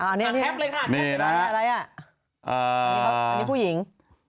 อันนี้ผู้หญิง